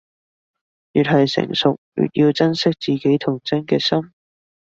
越係成熟，越要珍惜自己童真嘅心